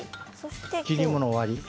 切りもの終わり。